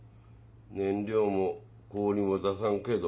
燃料も氷も出さんけど。